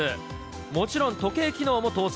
もちろん時計機能も搭載。